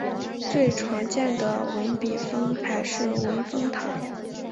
最常见的文笔峰还是文峰塔。